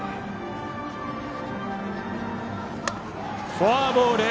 フォアボール！